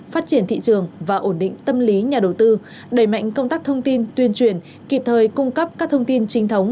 phát triển thị trường và ổn định tâm lý nhà đầu tư đẩy mạnh công tác thông tin tuyên truyền kịp thời cung cấp các thông tin trinh thống